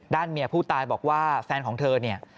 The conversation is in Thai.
เมียผู้ตายบอกว่าแฟนของเธอเนี่ย